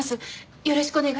よろしくお願いします。